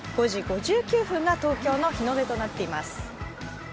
５時５９分が東京の日の出となっています。